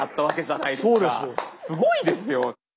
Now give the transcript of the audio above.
すごいですよ！